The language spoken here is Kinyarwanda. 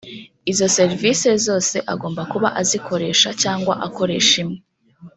izo serivise zose agomba kuba azikoresha cyangwa akoresha imwe